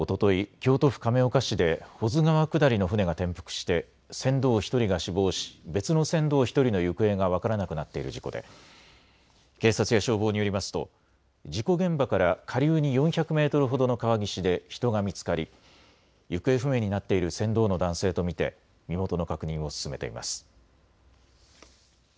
京都府亀岡市で保津川下りの舟が転覆して船頭１人が死亡し別の船頭１人の行方が分からなくなっている事故で警察や消防によりますと事故現場から下流に４００メートルほどの川岸で人が見つかり、行方不明になっている船頭の男性と見て身元の確認を進めています。